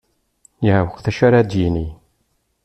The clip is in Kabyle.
Yeɛweq d acu ara d-yini.